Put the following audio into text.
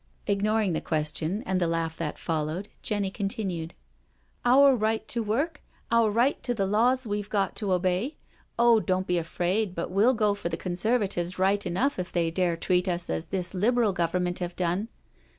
Ignoring the question and the laugh that followed, Jenny continued: "Our right to work — our right to the laws we've got to obey. Oh, don't be afraid but we'll go for the Conservatives right enough if they dare treat us as this Liberal Government have done.